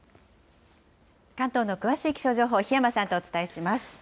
関東の詳しい気象情報、檜山さんとお伝えします。